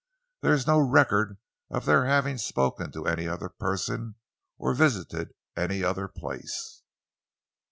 There is no record of their having spoken to any other person or visited any other place."